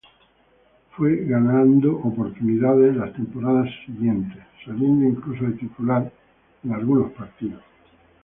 Fue ganando oportunidades en las temporadas siguientes, saliendo incluso de titular en algunos partidos.